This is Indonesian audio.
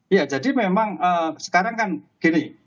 iya jadi memang sekarang kan gini